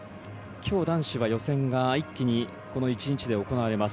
きょう、男子は予選が一気にこの１日で行われます。